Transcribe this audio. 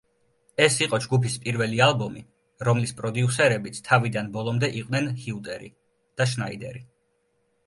ეს იყო ჯგუფის პირველი ალბომი, რომლის პროდიუსერებიც თავიდან ბოლომდე იყვნენ ჰიუტერი და შნაიდერი.